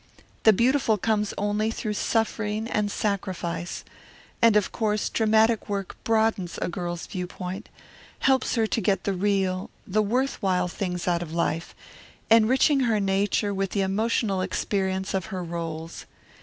The beautiful comes only through suffering and sacrifice. And of course dramatic work broadens a girl's viewpoint, helps her to get the real, the worthwhile things out of life, enriching her nature with the emotional experience of her roles.